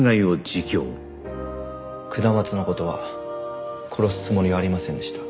下松の事は殺すつもりはありませんでした。